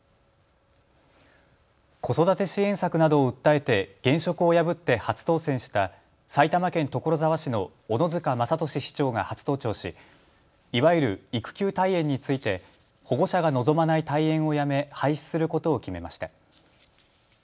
子育て支援策などを訴えて現職を破って初当選した埼玉県所沢市の小野塚勝俊市長が初登庁しいわゆる育休退園について保護者が望まない退園をやめ廃止することを決めました。